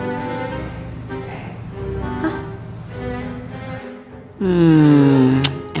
foto apa sih mbak